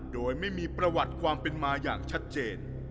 โดยไม่มีประวัติความเป็นมาอย่างชัดเจน